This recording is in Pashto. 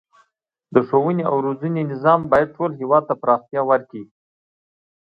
د ښوونې او روزنې نظام باید ټول هیواد ته پراختیا ورکړي.